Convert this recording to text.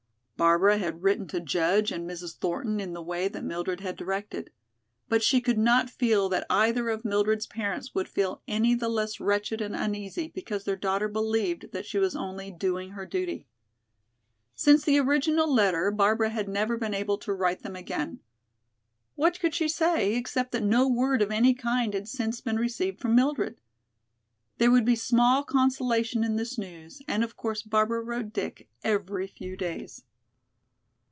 Barbara had written to Judge and Mrs. Thornton in the way that Mildred had directed. But she could not feel that either of Mildred's parents would feel any the less wretched and uneasy because their daughter believed that she was only "doing her duty." Since the original letter Barbara had never been able to write them again. What could she say, except that no word of any kind had since been received from Mildred? There would be small consolation in this news, and of course Barbara wrote Dick every few days.